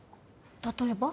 例えば？